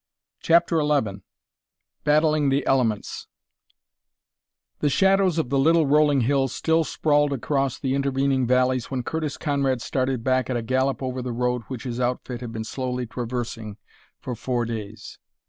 CHAPTER XI BATTLING THE ELEMENTS The shadows of the little rolling hills still sprawled across the intervening valleys when Curtis Conrad started back at a gallop over the road which his outfit had been slowly traversing for four days.